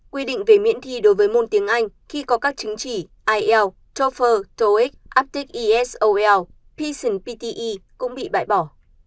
quy định về miễn thi đối với môn tiếng anh khi có các chứng chỉ il toefl toeic aptic esol pisn pte cũng bị bãi bỏ